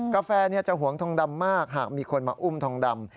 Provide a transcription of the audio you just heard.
กาแฟจะหวงทองดำมากหากมีคนมาอุ้มทองดำ